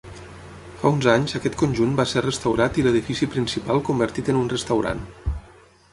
Fa uns anys aquest conjunt va ser restaurat i l'edifici principal convertit en un restaurant.